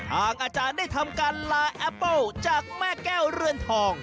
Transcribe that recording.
อาจารย์ได้ทำการลาแอปเปิ้ลจากแม่แก้วเรือนทอง